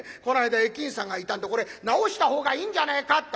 この間駅員さんがいたんで「これ直した方がいいんじゃねえか？」